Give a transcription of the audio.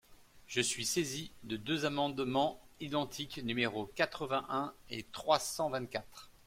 Je suis saisie de deux amendements identiques, numéros quatre-vingt-un et trois cent vingt-quatre.